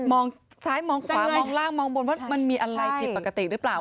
มองซ้ายมองขวามองล่างมองบนว่ามันมีอะไรผิดปกติหรือเปล่า